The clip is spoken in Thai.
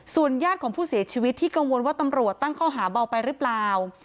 ญาติของผู้เสียชีวิตที่กังวลว่าตำรวจตั้งข้อหาเบาไปหรือเปล่า